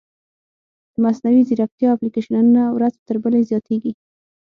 د مصنوعي ځیرکتیا اپلیکیشنونه ورځ تر بلې زیاتېږي.